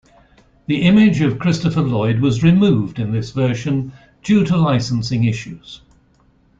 The image of Christopher Lloyd was removed in this version due to licensing issues.